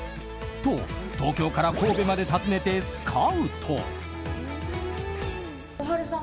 と東京から神戸まで訪ねてスカウト。